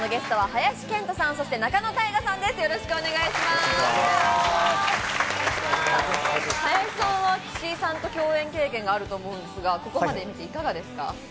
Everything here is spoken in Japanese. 林さんは、岸井さんと共演経験があると思うんですが、ここまで見ていかがですか？